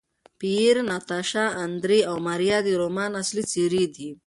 پییر، ناتاشا، اندرې او ماریا د رومان اصلي څېرې دي.